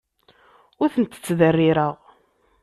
Ur tent-ttderrireɣ.